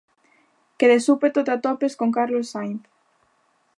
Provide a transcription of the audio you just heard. Que de súpeto te atopes con Carlos Sainz.